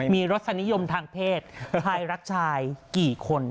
มีรสนิยมทางเพศชายรักชายกี่คน